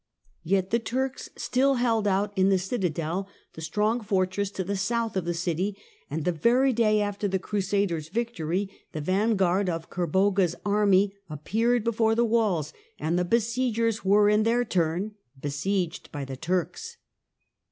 Yet THE COMNENl AND THE TWO FIRST CRUSADES 143 the Turks still held out in the citadel, the strong fortress to the south of the city, and the very day after the Crusaders' victory, the vanguard of Kerboga's army ap peared before the walls and the besiegers were in their turn besieged by the Turks.